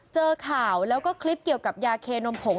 เจอข่าวแล้วก็คลิปเกี่ยวกับยาเคนมผง